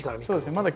そうですね。